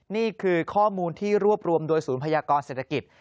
นี่คือข้อมูลที่รวบรวมโดยศูนย์พยากรเศรษฐกิจ